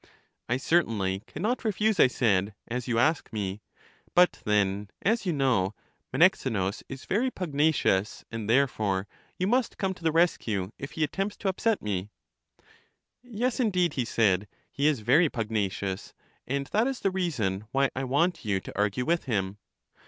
I certainly can not refuse, I said, as you ask me; but then, as you know, Menexenus is very pugna cious, and therefore you must come to the rescue if he attempts to upset me. Yes, indeed, he said; he is very pugnacious, and that is the reason why I want you to argue with him.